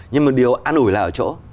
nhưng mà điều an ủi là ở chỗ